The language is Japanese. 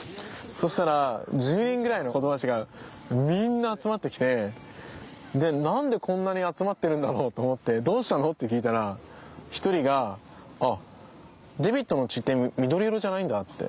そしたら１０人ぐらいの子供たちがみんな集まってきて何でこんなに集まってるんだろうと思って「どうしたの？」って聞いたら一人が「あデイビッドの血って緑色じゃないんだ」って。